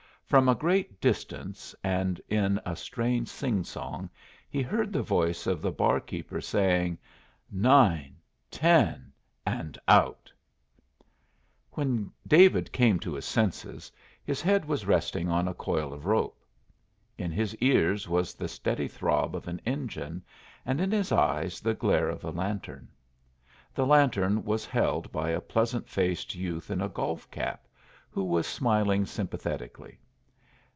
From a great distance, and in a strange sing song he heard the voice of the barkeeper saying, "Nine ten and out!" When David came to his senses his head was resting on a coil of rope. In his ears was the steady throb of an engine, and in his eyes the glare of a lantern. The lantern was held by a pleasant faced youth in a golf cap who was smiling sympathetically.